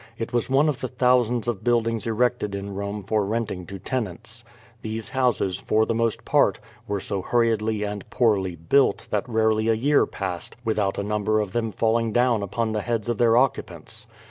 It was one of the thousands of build ings erected iu Rome for renting to tenants. These houses, for the most part, were so hurriedly and poorly built that rarely a year passed without a number of them falling down upon the heads of their occupants.